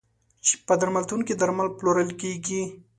په درملتون کې درمل پلورل کیږی.